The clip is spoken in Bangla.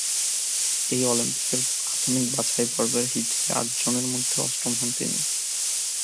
এই অলিম্পিকের প্রাথমিক বাছাই পর্বের হিটে আট জনের মাঝে অষ্টম হন তিনি।